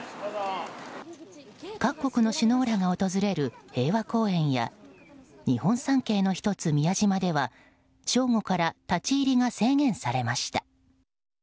各国の首脳らが訪れる平和公園や日本三景の１つ、宮島では正午から立ち入りが制限されました。